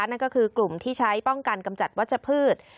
นั่นก็คือกลุ่มที่ใช้ป้องกันกำจัดวัชพืช